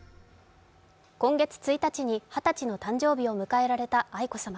今月１日に二十歳の誕生日を迎えられた愛子さま